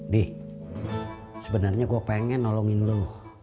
dih sebenarnya gue pengen nolongin lu